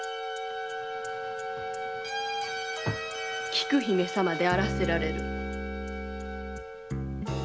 菊姫様であらせられる。